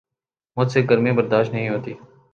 مجھ سے گرمی برداشت نہیں ہوتی